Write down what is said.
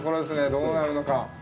どうなるのか。